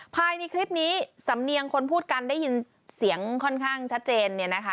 ภายในคลิปนี้สำเนียงคนพูดกันได้ยินเสียงค่อนข้างชัดเจนเนี่ยนะคะ